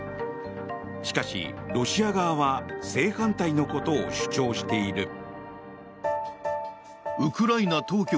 しかし、ロシア側は正反対のことを主張している。